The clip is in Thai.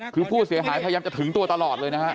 คือผู้เสียหายเท่ายังจะถึงตัวตลอด